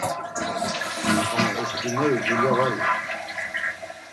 Ama est̆vineri dulya var iyen.